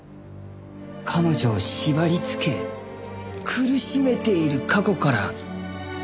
彼女を縛りつけ苦しめている過去から。